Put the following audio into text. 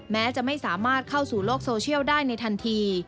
แม้จะไม่สามารถเข้าสู่โลกโซเชียลได้ในทันที